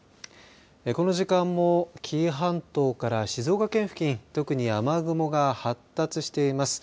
この時間も紀伊半島から静岡県付近特に、雨雲が発達しています。